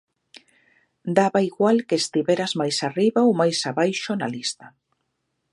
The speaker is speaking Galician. Daba igual que estiveras máis arriba ou máis abaixo na lista.